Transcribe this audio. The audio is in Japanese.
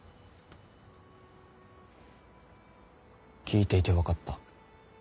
聞いていて分かった。